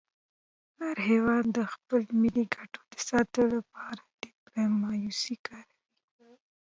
هر هېواد د خپلو ملي ګټو د ساتلو لپاره ډيپلوماسي کاروي.